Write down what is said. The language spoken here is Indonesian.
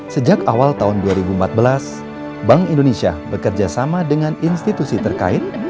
sejak awal tahun dua ribu empat belas bank indonesia bekerjasama dengan institusi terkait